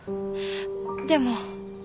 でも。